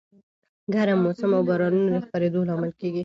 ګرم موسم او بارانونه د خپرېدو لامل دي.